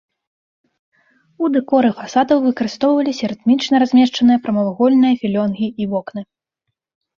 У дэкоры фасадаў выкарыстоўваліся рытмічна размешчаныя прамавугольныя філёнгі і вокны.